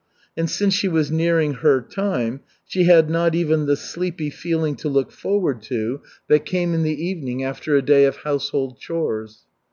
And since she was nearing her time, she had not even the sleepy feeling to look forward to that came in the evening after a day of household chores.